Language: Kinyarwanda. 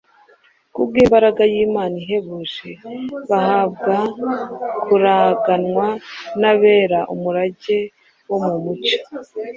kubw’imbaraga y’Imana ihebuje” “bahabwa kuraganwa n’abera umurage wo mu mucyo.”